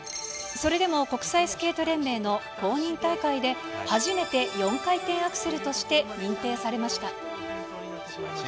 それでも国際スケート連盟の公認大会で、初めて４回転アクセルとして認定されました。